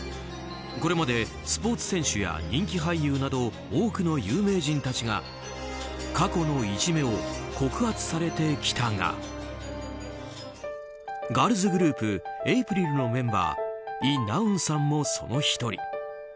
これまでスポーツ選手や人気俳優など多くの有名人たちが過去のいじめを告発されてきたがガールズグループＡＰＲＩＬのメンバーイ・ナウンさんも、その１人。